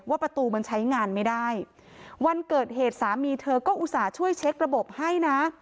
ประตูมันใช้งานไม่ได้วันเกิดเหตุสามีเธอก็อุตส่าห์ช่วยเช็คระบบให้นะ